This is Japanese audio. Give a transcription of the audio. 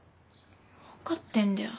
分かってんだよ